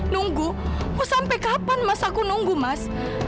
nunggu aku sampai kapan mas aku nunggu mas